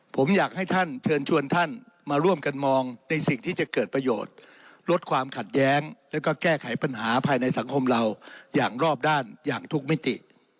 ผมอยากให้ท่านเชิญชวนท่านมาร่วมกันมองในสิ่งที่จะเกิดประโยชน์ลดความขัดแย้งแล้วก็แก้ไขปัญหาภายในสังคมเราอย่างรอบด้านอย่างทุกมิติ